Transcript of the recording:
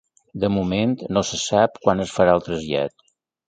De moment, no se sap quan es farà el trasllat.